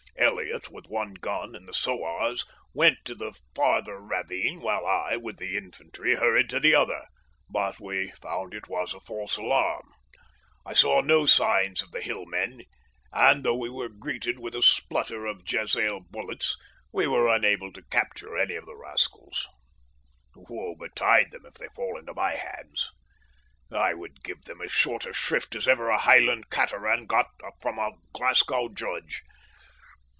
Elliott, with one gun and the Sowars, went to the farther ravine, while I, with the infantry, hurried to the other, but we found it was a false alarm. I saw no signs of the Hillmen, and though we were greeted by a splutter of jezail bullets we were unable to capture any of the rascals. Woe betide them if they fall into my hands. I would give them as short a shrift as ever a Highland cateran got from a Glasgow judge.